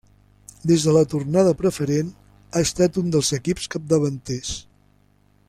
Des de la tornada a Preferent ha estat un dels equips capdavanters.